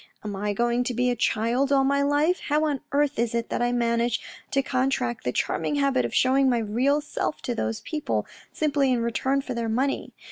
Am I going to be a child all my life ? How on earth is it that I manage to con tract the charming habit of showing my real self to those people simply in return for their money